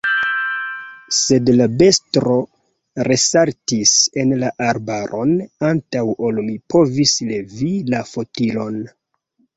Sed la besto resaltis en la arbaron, antaŭ ol mi povis levi la fotilon.